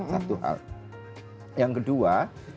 satu hal yang kedua